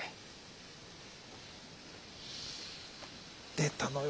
出たのよ